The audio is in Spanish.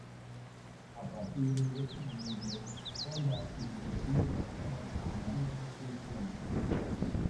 A partir de este momento Onda y su castillo pasaron a manos cristianas.